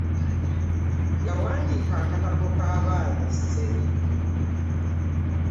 Yawandiika akatabo k'abaana ssebo.